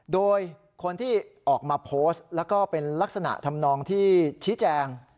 โดยคนที่ออกมาโพสต์แล้วก็เป็นลักษณะทำนองที่ชี้แจง